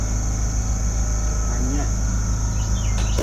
Ma nyea.